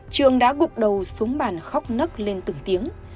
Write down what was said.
trường đã gục đầu xuống bàn khóc nấc lên từng tiếng